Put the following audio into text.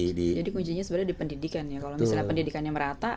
pendidikan ya kalau misalnya pendidikannya merata